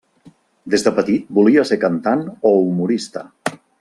Des de petit volia ser cantant o humorista.